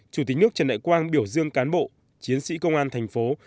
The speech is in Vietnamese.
chủ tịch nước trần đại quang biểu dương cán bộ chiến sĩ công an tp hcm